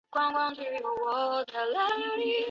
力量训练有助于提升休息时的基础代谢率。